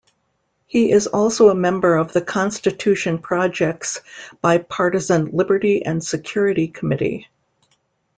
He is also a member of the Constitution Project's bipartisan Liberty and Security Committee.